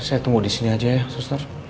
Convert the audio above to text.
saya tunggu di sini aja ya suster